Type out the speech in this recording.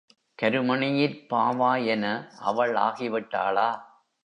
கருமணியிற் பாவாய் என அவள் ஆகிவிட்டாளா?